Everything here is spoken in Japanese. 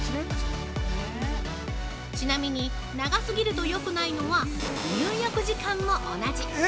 ちなみに、長すぎるとよくないのは入浴時間も同じ。